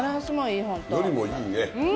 のりもいいね。